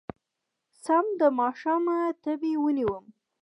سم د ماښامه تبې ونيومه